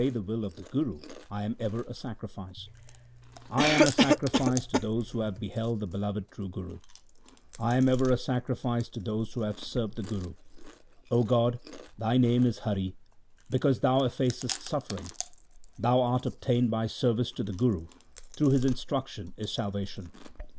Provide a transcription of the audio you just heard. To those who obey the will of the Guru I am ever a sacrifice ; I am a sacrifice to those who have beheld the beloved true Guru ; I am ever a sacrifice to those who have served the Guru. 0 God, Thy name is Hari, because Thou effacest suffering. 1 Thou art obtained by service to the Guru ; through his instruction is salvation.